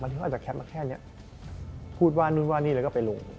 ที่เขาอาจจะแคปมาแค่นี้พูดว่านู่นว่านี่แล้วก็ไปลง